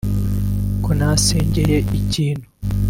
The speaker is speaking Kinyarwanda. ko nasengeye ikintu